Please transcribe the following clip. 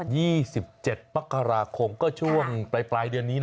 ยี่สิบเจ็ดมักกราคมก็ช่วงปลายเดือนนี้นะ